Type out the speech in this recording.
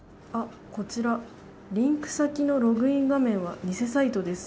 リンク先のログイン画面は偽サイトです。